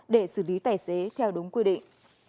để xử lý tài xế theo đúng quy định